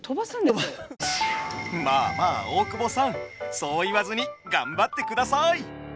まあまあ大久保さんそう言わずに頑張ってください！